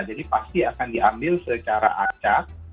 jadi pasti akan diambil secara acak